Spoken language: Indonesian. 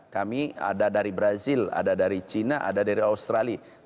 kami ada dari brazil ada dari china ada dari australia